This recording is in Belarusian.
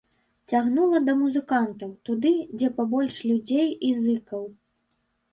Цягнула да музыкантаў, туды, дзе пабольш людзей і зыкаў.